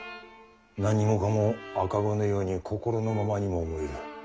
何もかも赤子のように心のままにも思える。